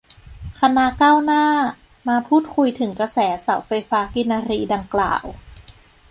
คณะก้าวหน้า มาพูดคุยถึงกระแสเสาไฟฟ้ากินรีดังกล่าว